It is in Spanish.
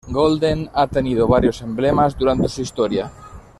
Golden ha tenido varios emblemas durante su historia.